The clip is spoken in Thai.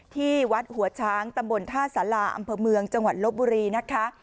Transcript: ที่วัดหัวช้างตำบลท่าสาราอำเภอเมืองจังหวัดลบบุรีนะคะ